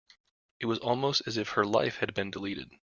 It was almost as if her life had been deleted.